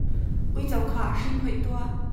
Uico kha a hri phoih tuah.